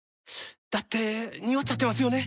だってニオっちゃってますよね。